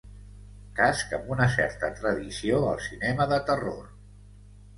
Casc amb una certa tradició al cinema de terror.